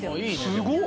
すごっ。